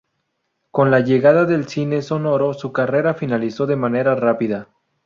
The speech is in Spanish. Con la llegada del cine sonoro su carrera finalizó de manera rápida.